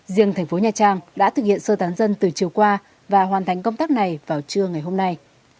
riêng thành phố nha trang đã thực hiện sơ tán dân từ chiều qua và hoàn thành công tác này vào trưa ngày hôm nay